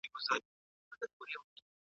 ناخوښه تجربه د ذهن غبرګون راپاروي.